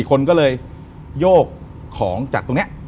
คนก็เลยโยกของจากตรงนี้